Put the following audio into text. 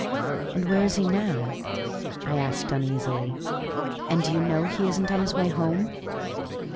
"And where is he now?" I asked uneasily. "And do you know he isn't on his way home?"